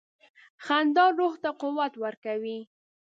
• خندا روح ته قوت ورکوي.